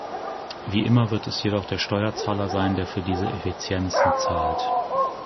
Wie immer wird es jedoch der Steuerzahler sein, der für diese "Effizienzen" zahlt.